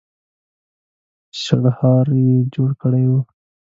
شړهار يې جوړ کړی و.